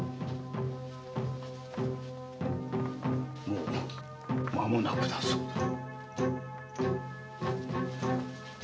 もう間もなくだそうだ。